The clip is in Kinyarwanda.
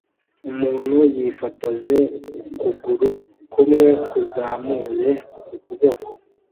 Umuntu yifotoje ukuguru kumwe kuzamuye ukuboko